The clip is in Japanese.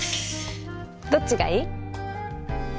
どっちがいい？